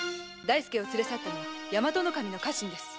大助を連れ去ったのは大和守の家臣です。